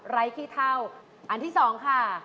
ขี้เท่าอันที่๒ค่ะ